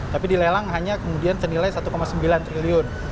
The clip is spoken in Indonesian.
tapi dilelang hanya kemudian senilai satu sembilan triliun